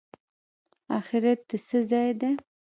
اخرت د څه ځای دی؟